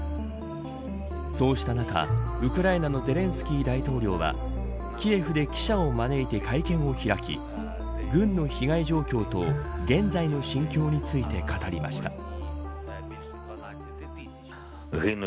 そうした中、ウクライナのゼレンスキー大統領はキエフで記者を招いて会見を開き軍の被害状況と現在の心境について語りました。